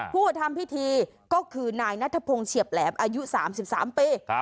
ผู้ทำพิธีก็คือนายนัทพงศ์เฉียบแหลมอายุ๓๓ปี